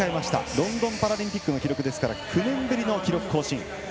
ロンドンパラリンピックの記録なので９年ぶりの記録更新。